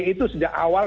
itu sejak awal